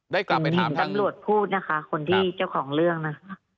ได้กลับไปถามทางผมเห็นตำรวจพูดนะคะคนที่เจ้าของเรื่องนะ